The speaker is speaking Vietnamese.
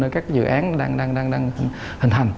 các dự án đang hình hành